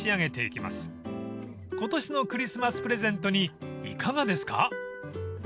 ［今年のクリスマスプレゼントにいかがですか？］